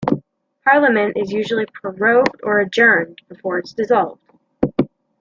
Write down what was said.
Parliament is usually prorogued or adjourned before it is dissolved.